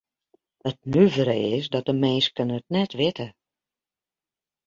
It nuvere is dat de minsken it net witte.